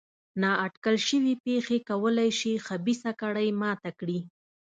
نا اټکل شوې پېښې کولای شي خبیثه کړۍ ماته کړي.